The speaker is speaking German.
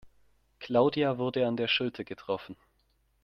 Claudia wurde an der Schulter getroffen.